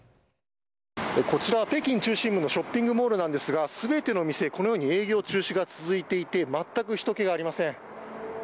こちら、北京中心部のショッピングモールなんですが全ての店、このように営業中止が続いていて全くひとけがありません。